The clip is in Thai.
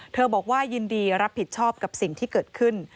บอกว่ายินดีรับผิดชอบกับสิ่งที่เกิดขึ้น